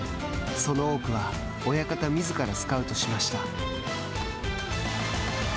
その多くは親方みずからスカウトしました。